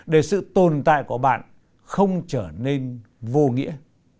để sự tồn tại của bạn không trở nên vô nghĩa